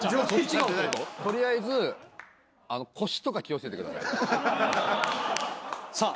とりあえず腰とか気をつけてくださいさあ